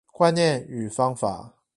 觀念與方法